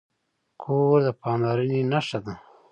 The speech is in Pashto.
کور د پاملرنې نښه ده.